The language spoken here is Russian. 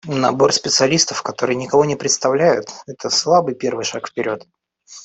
Набор специалистов, которые никого не представляют, — это слабый первый шаг вперед.